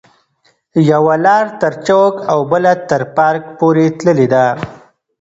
یوه لار تر چوک او بله تر پارک پورې تللې ده.